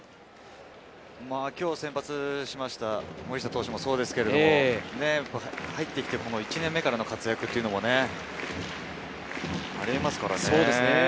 今日先発しました森下投手もそうですけれど入ってきて１年目からの活躍っていうのもありえますからね。